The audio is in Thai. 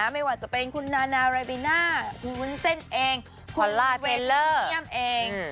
ไม่ว่าจะเป็นคุณนานาเรบิน่าคุณวุ้นเส้นเองคอลลาร์เบลเยี่ยมเอง